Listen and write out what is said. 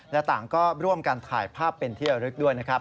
และต่างก็ร่วมกันถ่ายภาพเป็นที่ระลึกด้วยนะครับ